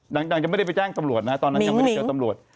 ยังไม่ได้ไปแจ้งตำรวจนะฮะตอนนั้นยังไม่ได้เจอตำรวจ